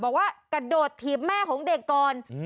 บอกว่ากระโดดถีบแม่ของเด็กก่อน